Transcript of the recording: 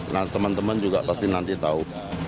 nah teman teman juga pasti nanti tahu